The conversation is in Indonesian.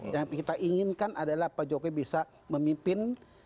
yang kita inginkan adalah pak jokowi bisa memimpin